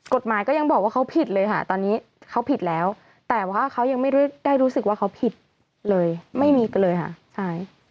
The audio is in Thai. ก็ยังบอกว่าเขาผิดเลยค่ะตอนนี้เขาผิดแล้วแต่ว่าเขายังไม่ได้รู้สึกว่าเขาผิดเลยไม่มีกันเลยค่ะใช่